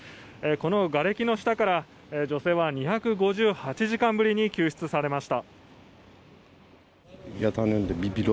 このがれきの下から、女性は２５８時間ぶりに救出されました。